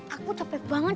aku tepek banget